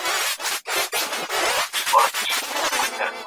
该销拆卸后可重复使用。